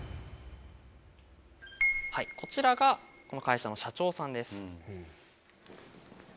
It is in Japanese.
こちらがこの会社の社長さんです。